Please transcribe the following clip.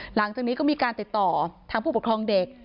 หลังจากนี้ก็มีการติดต่อทางผู้ปกครองเด็ก